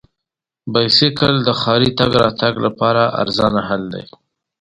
بایسکل د ښاري تګ راتګ لپاره ارزانه حل دی.